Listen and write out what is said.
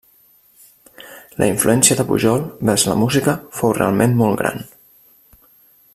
La influència de Pujol, vers la música, fou realment molt gran.